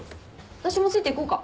私もついていこうか？